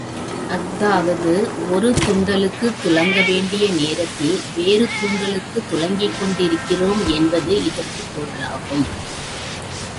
அஃதாவது, ஒரு துண்டலுக்குத் துலங்கவேண்டிய நேரத்தில் வேறு துாண்டலுக்குத் துலங்கிக்கொண்டிருக்கிறோம் என்பது இதற்குப் பொருளாகும்.